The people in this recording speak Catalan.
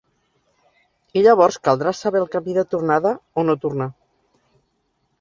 I llavors caldrà saber el camí de tornada o no tornar.